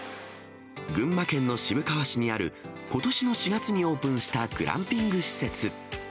群馬県の渋川市にあることしの４月にオープンしたグランピング施設。